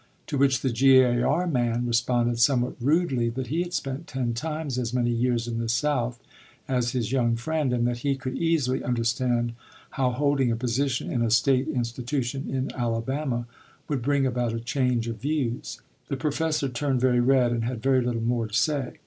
To which the G.A.R. man responded somewhat rudely that he had spent ten times as many years in the South as his young friend and that he could easily understand how holding a position in a State institution in Alabama would bring about a change of views. The professor turned very red and had very little more to say.